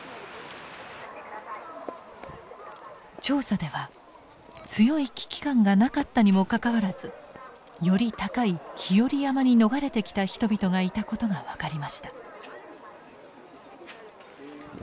調査では強い危機感がなかったにもかかわらずより高い日和山に逃れてきた人々がいたことが分かりました。